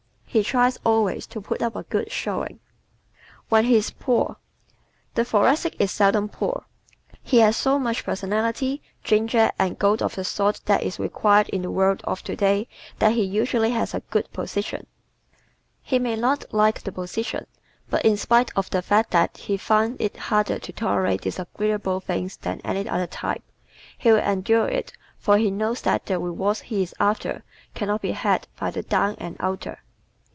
He tries always to put up a good showing. When He is Poor ¶ The Thoracic is seldom poor. He has so much personality, ginger and go of the sort that is required in the world of today that he usually has a good position. He may not like the position. But in spite of the fact that he finds it harder to tolerate disagreeable things than any other type, he will endure it for he knows that the rewards he is after can not be had by the down and outer.